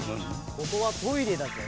ここはトイレだぞ。